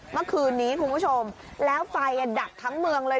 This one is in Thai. เมื่อคืนนี้คุณผู้ชมแล้วไฟดับทั้งเมืองเลย